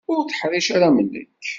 Ur teḥṛiceḍ ara am nekk.